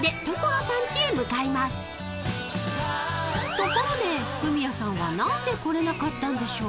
［ところでフミヤさんは何で来れなかったんでしょう？］